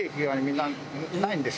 ないです。